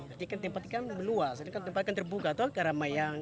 artinya kan tempat ini kan luas artinya kan tempat ini kan terbuka atau keramayang